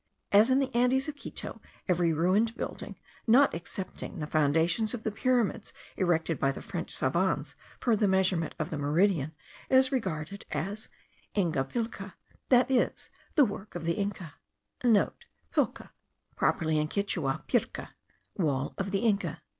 As in the Andes of Quito every ruined building, not excepting the foundations of the pyramids erected by the French savans for the measurement of the meridian, is regarded as Inga pilca,* that is, the work of the Inca (* Pilca (properly in Quichua pirca), wall of the Inca.)